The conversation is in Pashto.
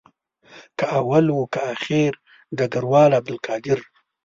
که اول وو که آخر ډګروال عبدالقادر.